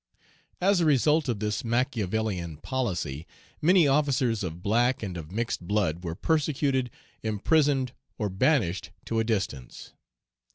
As a result of this Machiavellian policy, many officers of black and of mixed blood were persecuted, imprisoned, or banished to a distance.